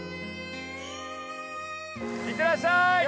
行ってらっしゃい！